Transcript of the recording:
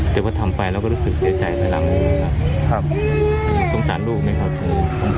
แต่ว่าทำไปแล้วก็รู้สึกเสียใจไปแล้วครับสงสารลูกไหมครับ